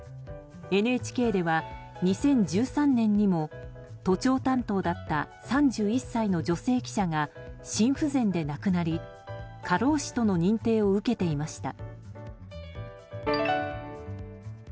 ＮＨＫでは２０１３年にも都庁担当だった３１歳の女性記者が心不全で亡くなり、過労死との認定を受けていました。